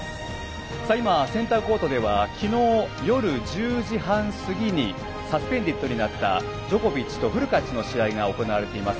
今、センターコートでは昨日夜１０時半過ぎにサスペンデッドになったジョコビッチとフルカッチの試合が行われています。